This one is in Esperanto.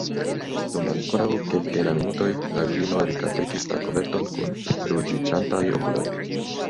Dum ankoraŭ kelke da minutoj la virino rigardegis la koverton kun ruĝiĝantaj okuloj.